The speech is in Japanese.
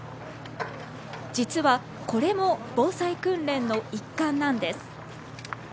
実は、これも防災訓練の一環なんです。